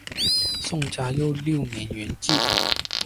宋嘉佑六年圆寂。